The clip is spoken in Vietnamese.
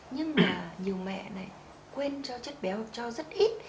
nhưng mà nhiều mẹ lại quên cho chất béo cho rất ít